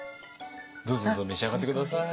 どうぞどうぞ召し上がって下さい。